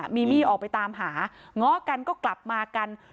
มีมี่ออกไปตามหาง้อกันก็กลับมากัน